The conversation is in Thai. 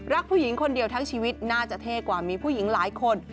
ผู้หญิงคนเดียวทั้งชีวิตน่าจะเท่กว่ามีผู้หญิงหลายคน